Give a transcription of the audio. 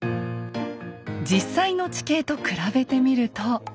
実際の地形と比べてみると。